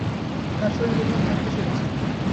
তার শরীর বোধ হয় খানিকটা সেরেছে।